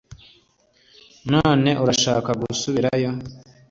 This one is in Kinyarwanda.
none urashaka gusubirayo